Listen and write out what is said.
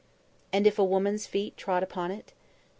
"And if a woman's feet trod upon it?"